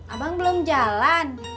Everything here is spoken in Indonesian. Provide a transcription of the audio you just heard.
abang belum jalan